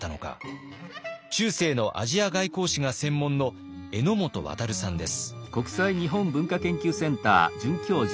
中世のアジア外交史が専門の榎本渉さんです。